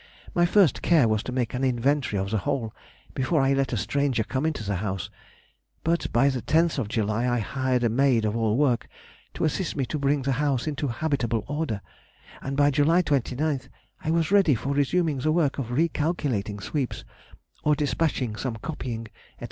My first care was to make an inventory of the whole, before I let a stranger come into the house, but by the 10th of July I hired a maid of all work to assist me to bring the house into habitable order, and by July 29th I was ready for resuming the work of re calculating sweeps, or despatching some copying, &c.